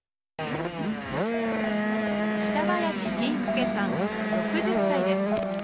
北林新介さん６０歳です。